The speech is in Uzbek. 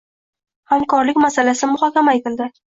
Hamkorlik masalasi muhokama etildi